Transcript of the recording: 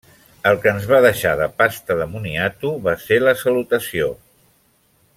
El que ens va deixar de pasta de moniato va ser la salutació.